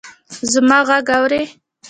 زما ږغ اورې!